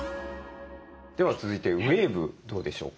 では続いてウエーブどうでしょうか？